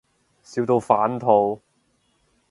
笑到反肚